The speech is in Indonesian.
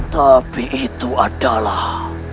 tapi itu adalah